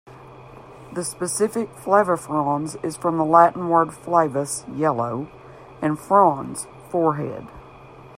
The specific "flavifrons" is from the Latin words "flavus", "yellow", and "frons", "forehead".